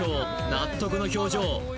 納得の表情